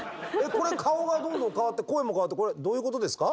これ顔がどんどん変わって声も変わってこれどういうことですか？